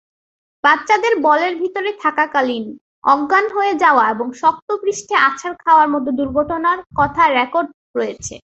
বাচ্চাদের বলের ভিতরে থাকাকালীন অজ্ঞান হয়ে যাওয়া এবং শক্ত পৃষ্ঠে আছাড় খাওয়ার মতো দুর্ঘটনার কথার রেকর্ড রয়েছে।